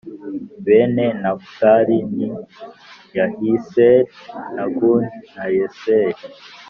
Bene Nafutali ni Yahiseli na Guni na Yeseri